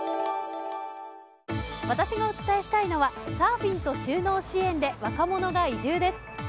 私がお伝えしたいのはサーフィンと就農支援で若者が移住です。